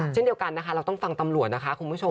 เช่นเดียวกันนะคะเราต้องฟังตำรวจนะคะคุณผู้ชม